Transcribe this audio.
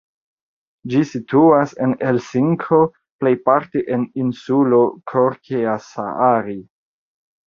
Ĝi situas en Helsinko plejparte en insulo Korkeasaari.